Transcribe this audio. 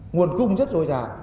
nguồn cung rất rối rào